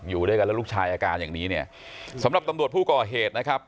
อยู่ด้วยกันแล้วลูกชายอาการอย่างนี้เนี่ยสำหรับตำรวจผู้ก่อเหตุนะครับ